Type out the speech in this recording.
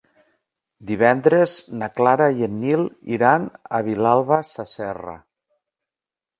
Divendres na Clara i en Nil iran a Vilalba Sasserra.